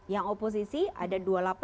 yang oposisi ada dua puluh delapan dua belas